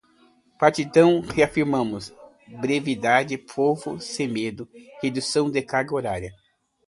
Partidão, reafirmamos, brevidade, Povo Sem Medo, redução da carga horária